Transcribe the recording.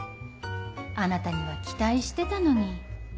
あなたには期待してたのに。